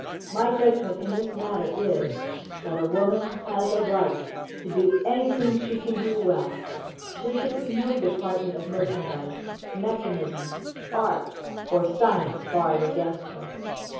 My judgment in this matter is, that a woman has a right to do anything she can do well. There should be no department of merchandise, mechanism, art, or science barred against her.